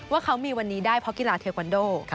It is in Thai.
ว่าเขามีวันนี้ได้เพราะกีฬาเทควันโด